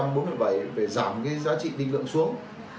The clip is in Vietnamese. để giảm giá trị tinh lượng xuống